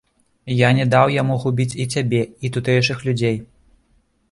Я не даў яму губіць і цябе, і тутэйшых людзей.